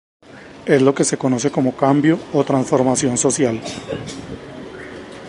Es lo que se conoce como cambio o transformación social.